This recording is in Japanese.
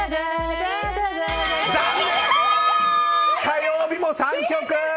火曜日も３曲。